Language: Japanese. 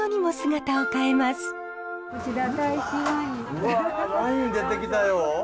うわワイン出てきたよ。